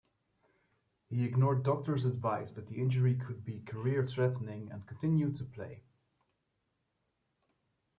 He ignored doctors' advice that the injury could be career-threatening and continued to play.